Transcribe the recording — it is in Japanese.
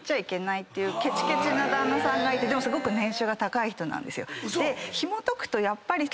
ケチケチな旦那さんがいてでもすごく年収が高い人なんですよ。